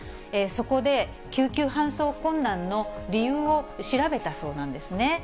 そこで、救急搬送困難の理由を調べたそうなんですね。